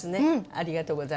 ありがとうございます。